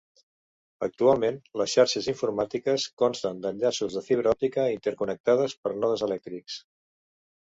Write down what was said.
Actualment, les xarxes informàtiques consten d'enllaços de fibra òptica, interconnectats per nodes elèctrics.